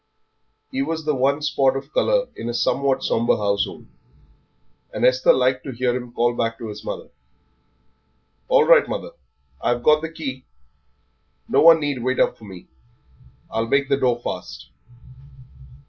He was the one spot of colour in a somewhat sombre household, and Esther liked to hear him call back to his mother, "All right, mother, I've got the key; no one need wait up for me. I'll make the door fast."